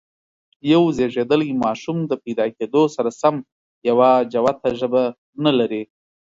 یو زېږيدلی ماشوم د پیدا کېدو سره سم یوه جوته ژبه نه لري.